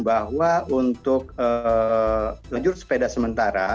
bahwa untuk lajur sepeda sementara